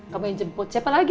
kamu yang jemput siapa lagi